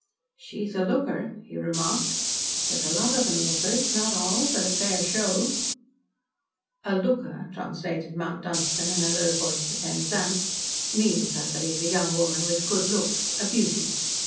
"She's a looker," he remarked. "They're a lot of them lookers not all but a fair show " "A looker," translated Mount Dunstan in a low voice to Penzance, "means, I believe, a young women with good looks a beauty."